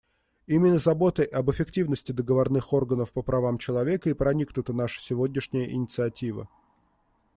Именно заботой об эффективности договорных органов по правам человека и проникнута наша сегодняшняя инициатива.